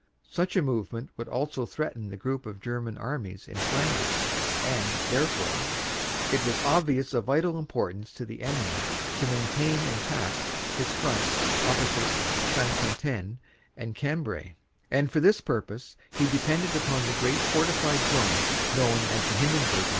Such a movement would also threaten the group of German armies in Flanders, and, therefore, "it was obviously of vital importance to the enemy to maintain intact his front opposite St. Quentin and Cambrai, and for this purpose he depended upon the great fortified zone known as the Hindenburg Line."